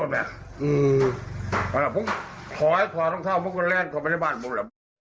แล้วลุงทำอะไรเองหรือยัง